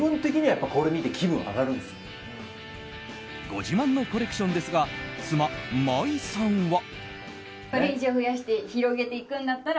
ご自慢のコレクションですが妻・麻衣さんは。